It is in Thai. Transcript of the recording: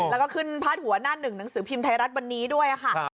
แล้วก็ขึ้นพาดหัวหน้าหนึ่งหนังสือพิมพ์ไทยรัฐวันนี้ด้วยค่ะ